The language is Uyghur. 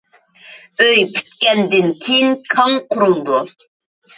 ئۆي پۈتكەندىن كېيىن كاڭ قۇرۇلىدۇ.